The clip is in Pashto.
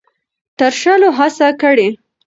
د تراشلو هڅه کړې: